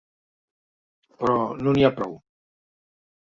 Però no n’hi ha prou.